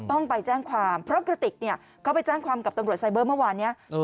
ต้องไปแจ้งความเพราะกระติกเนี่ยเขาไปแจ้งความกับตำรวจไซเบอร์เมื่อวานนี้